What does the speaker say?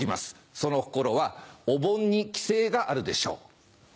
その心はおボンにキセイがあるでしょう。